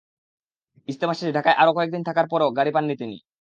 ইজতেমা শেষে ঢাকায় আরও কয়েক দিন থাকার পরও গাড়ি পাননি তিনি।